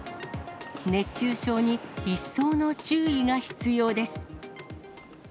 熱中症に一層の注意が必要です。